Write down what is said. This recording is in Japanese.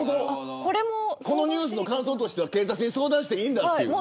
このニュースの感想としては警察に相談していいんだという。